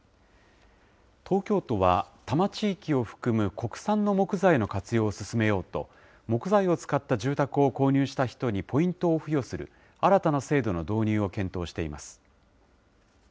東京都は多摩地域を含む国産の木材の活用を進めようと、木材を使った住宅を購入した人にポイントを付与する、新たな制度の導入を検討しています。